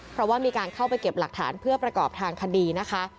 เพราะว่ามีการเข้าไปเก็บหลักฐานเพื่อประกอบทางคดีนะคะ